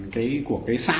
cái của cái xã